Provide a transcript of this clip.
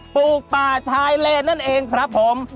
ปลูกป่าชายเลนนั่นเองครับผม